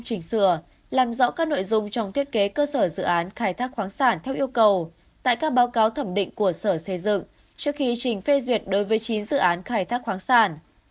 chỉnh sửa làm rõ các nội dung trong thiết kế cơ sở dự án khai thác khoáng sản theo yêu cầu tại các báo cáo thẩm định của sở xây dựng trước khi trình phê duyệt đối với chín dự án khai thác khoáng sản